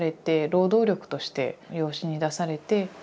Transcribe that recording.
労働力として養子に出されて。